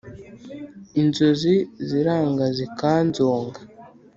inzozi ziranga zikanzonga